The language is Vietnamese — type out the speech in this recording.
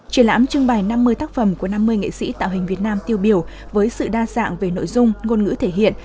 triển lãm trưng bày năm mươi tác phẩm của năm mươi nghệ sĩ tạo hình việt nam tiêu biểu với sự đa dạng về nội dung ngôn ngữ thể hiện